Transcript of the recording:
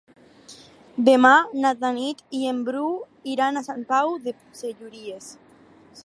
Demà na Tanit i en Bru iran a Sant Pau de Segúries.